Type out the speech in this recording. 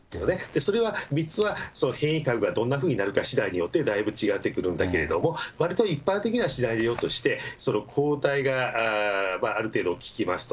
それは３つは変異株がどんなふうになるかしだいで、だいぶ違ってくるんだけれども、わりと一般的なシナリオとして抗体がある程度効きますと。